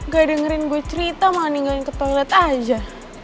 gak dengerin gue cerita mah ninggalin ke toilet aja